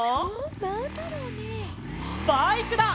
バイクだ！